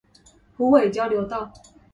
虎尾交流道